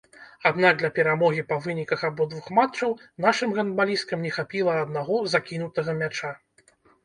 Аднак для перамогі па выніках абодвух матчаў нашым гандбалісткам не хапіла аднаго закінутага мяча.